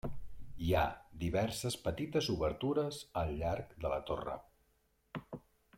Hi ha diverses petites obertures al llarg de la torre.